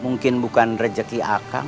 mungkin bukan rejeki akang